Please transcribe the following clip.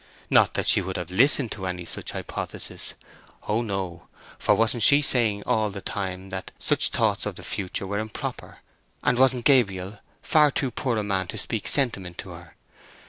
Not that she would have listened to any such hypothesis. O no—for wasn't she saying all the time that such thoughts of the future were improper, and wasn't Gabriel far too poor a man to speak sentiment to her?